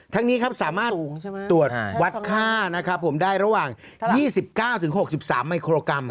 ทั้งนี้ครับสามารถตรวจวัดค่านะครับผมได้ระหว่าง๒๙๖๓มิโครกรัม